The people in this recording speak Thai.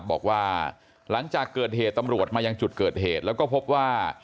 บอกว่าหลังจากเกิดเหตุตำรวจมายังจุดเกิดเหตุแล้วก็พบว่า